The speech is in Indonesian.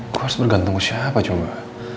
gue harus bergantung ke siapa coba